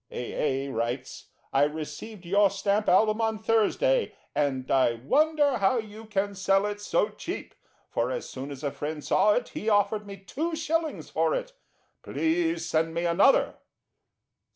A. A. writes: "I received your Stamp Album on Thursday, and I wonder how you can sell it so cheap; for as soon as a friend saw it he offered me 2/ for it. Please send me another."